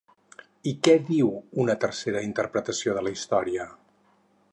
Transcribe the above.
I què diu una tercera interpretació de la història?